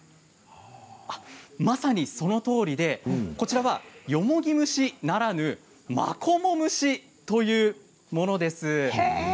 まさにそのとおりでこちらは、よもぎ蒸しならぬマコモ蒸しというものです。